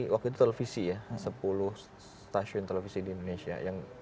waktu itu televisi ya sepuluh stasiun televisi di indonesia